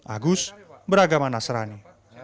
agus beragama nasrani